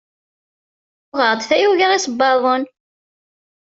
Uɣeɣ-d tayuga isebbaḍen.